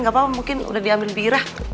gak apa apa mungkin udah diambil pirah